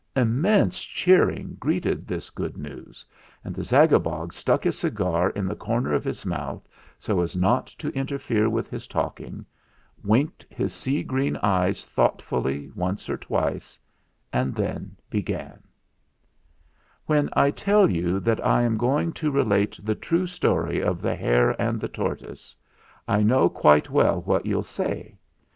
Immense cheering greeted this good news, and the Zagabog stuck his cigar in the corner of his mouth so as not to interfere with his talking, winked his sea green eyes thought fully once or twice, and then began : "When I tell you that I am going to relate the true story of the Hare and the Tortoise, I know quite well what you'll say.